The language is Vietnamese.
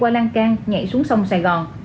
qua lang can nhảy xuống sông sài gòn